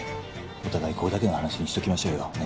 お互いここだけの話にしときましょうよね